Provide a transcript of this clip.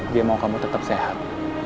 dia mau kamu tetap sehat